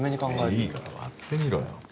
いいから割ってみろよ